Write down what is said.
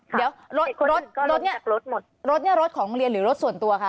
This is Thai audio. เดี๋ยวรถเนี่ยรถของโรงเรียนหรือรถส่วนตัวคะ